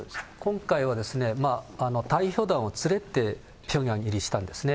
今回は、代表団を連れて平壌入りしたんですね。